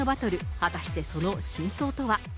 果たしてその真相とは。